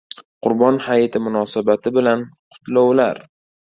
Qurbon hayiti munosabati bilan qutlovlar